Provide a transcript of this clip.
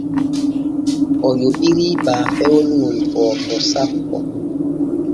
O yoɓiri baafewol ŋol Forto sappo.